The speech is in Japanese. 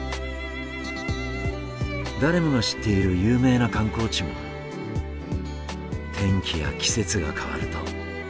誰もが知っている有名な観光地も天気や季節が変わると新たな風景が広がります。